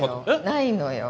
ないのよ。